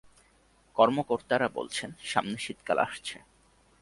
কর্মকর্তারা বলছেন, সামনে শীতকাল আসছে।